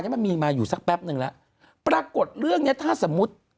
ทำไมเนี้ยสักพักก็ไปดูว่ามีเงินเข้าบัญชีเบื้องต้องบอกตอนแรกบอกมีสิบล้าน